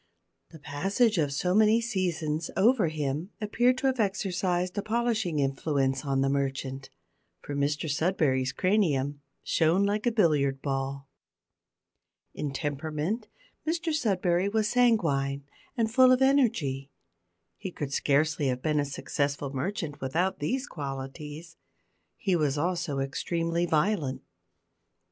The passage of so many seasons over him appeared to have exercised a polishing influence on the merchant, for Mr Sudberry's cranium shone like a billiard ball. In temperament Mr Sudberry was sanguine, and full of energy. He could scarcely have been a successful merchant without these qualities. He was also extremely violent.